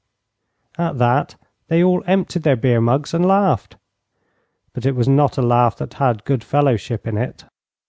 At that they all emptied their beer mugs and laughed; but it was not a laugh that had good fellowship in it.